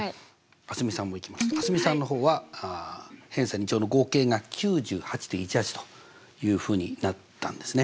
蒼澄さんもいきますと蒼澄さんの方は偏差２乗の合計が９８．１８というふうになったんですね。